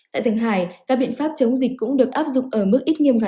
tại thường hải các biện pháp chống dịch cũng được áp dụng ở mức ít nghiêm ngặt hơn